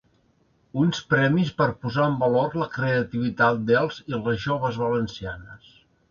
Uns premis per posar en valor la creativitat dels i les joves valencianes.